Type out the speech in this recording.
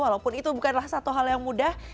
walaupun itu bukanlah satu hal yang mudah